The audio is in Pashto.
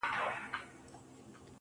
د شپې د راج معراج کي د سندرو ننداره ده